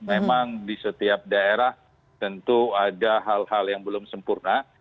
memang di setiap daerah tentu ada hal hal yang belum sempurna